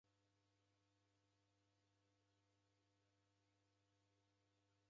Kuseliw'e kuzighana mayo ukaghosia.